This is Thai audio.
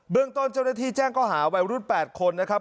เรื่องต้นเจ้าหน้าที่แจ้งก็หาวัยรุ่น๘คนนะครับ